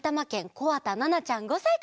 こわたななちゃん５さいから。